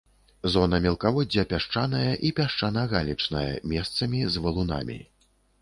Зона мелкаводдзя пясчаная і пясчана-галечная, месцамі з валунамі.